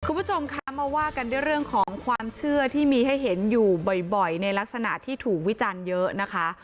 คุณผู้ชมคะมาว่ากันด้วยเรื่องของความเชื่อที่มีให้เห็นอยู่บ่อยในลักษณะที่ถูกวิจารณ์เยอะนะคะ